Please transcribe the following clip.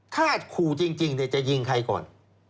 ถ้าขู่จริงจะยิงใครก่อน